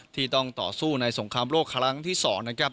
ที่ต้องต่อสู้ในสงครามโลกครั้งที่๒นะครับ